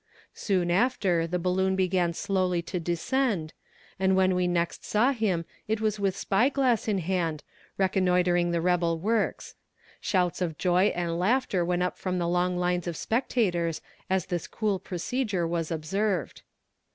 Soon after the balloon began slowly to descend, and when we next saw him it was with spyglass in hand, reconnoitering the rebel works. Shouts of joy and laughter went up from the long lines of spectators as this cool procedure was observed.